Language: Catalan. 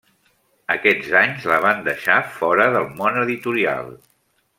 Aquests anys la van deixar fora del món editorial.